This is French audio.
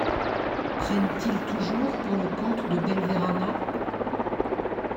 prennent-ils toujours pour le comte de Belverana?